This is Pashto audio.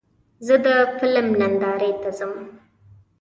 زه د فلم نندارې ته ځم.